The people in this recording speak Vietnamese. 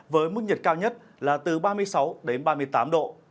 với mức nhiệt cao nhất là từ ba mươi sáu đến ba mươi tám độ